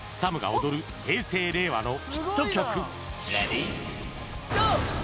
ＳＡＭが踊る平成・令和のヒット曲。